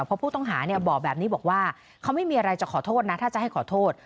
เพราะผู้ต้องหาบอกแบบนี้บอกว่าเขาไม่มีอะไรจะขอโทษนะถ้าจะให้ขอโทษ